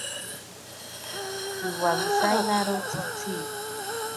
Piwawisainaro tsitsi.